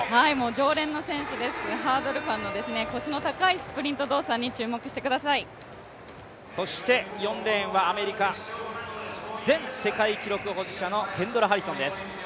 常連の選手です、ハードル感の腰の高いスプリント動作に４レーンはアメリカ、前世界記録保持者のケンドラ・ハリソンです。